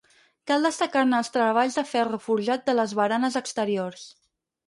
Cal destacar-ne els treballs de ferro forjat de les baranes exteriors.